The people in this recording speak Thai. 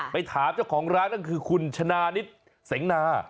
ไปถามเจ้าของร้านนั่นคือคุณชนะนิดเสงนา